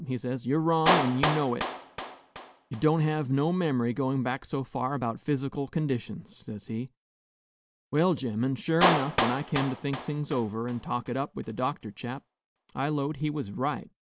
he says, 'you 're wrong, an' ye know it; ye don't hev no mem'ry goin' back so far about phys'cal conditions,' says he. Well, gemmen, sure 'nough, when I kem to think things over, and talk it up with the doctor chap, I 'lowed he was right.